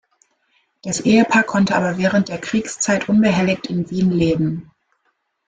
Das Ehepaar konnte aber während der Kriegszeit unbehelligt in Wien leben.